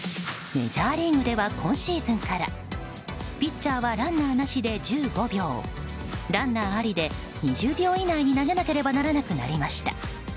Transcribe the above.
メジャーリーグでは今シーズンからピッチャーはランナーなしで１５秒ランナーありで２０秒以内に投げなければならなくなりました。